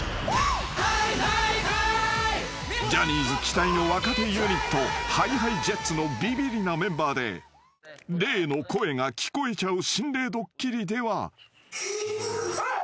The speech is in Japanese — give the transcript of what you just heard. ［ジャニーズ期待の若手ユニットＨｉＨｉＪｅｔｓのビビリなメンバーで霊の声が聞こえちゃう心霊ドッキリでは］